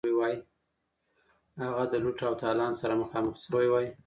هغه د لوټ او تالان سره مخامخ شوی وای.